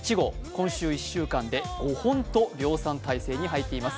今週１週間で５本と量産体制に入っています。